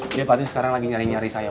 dia padahal sekarang lagi nyari nyari saya